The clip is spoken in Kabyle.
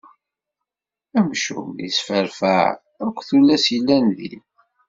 Amcum yesferfeɛ akk tullas yellan din.